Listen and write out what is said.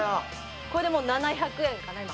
「これで７００円かな今」